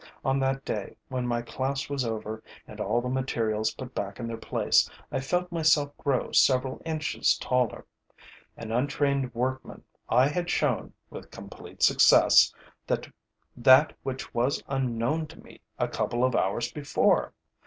On that day, when my class was over and all the materials put back in their place, I felt myself grow several inches taller. An untrained workman, I had shown, with complete success, that which was unknown to me a couple of hours before.